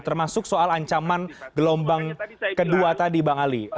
termasuk soal ancaman gelombang kedua tadi bang ali